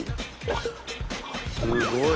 すごい！